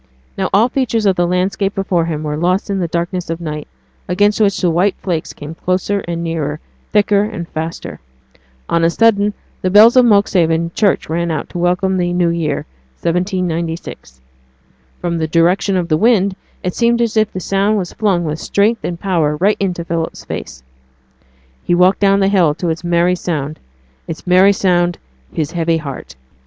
Now all features of the landscape before him were lost in the darkness of night, against which the white flakes came closer and nearer, thicker and faster. On a sudden, the bells of Monkshaven church rang out a welcome to the new year, 1796. From the direction of the wind, it seemed as if the sound was flung with strength and power right into Philip's face. He walked down the hill to its merry sound its merry sound, his heavy heart.